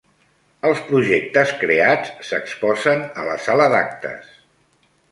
Els projectes creats s'exposen a la sala d'actes.